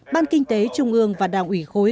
ban kinh tế trung mương và đảng ủy khối